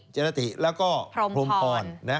เจรติแล้วก็พรมพร